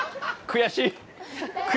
悔しい。